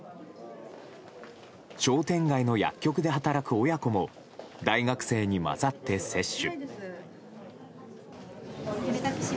商店街の薬局で働く親子も大学生に交ざって接種。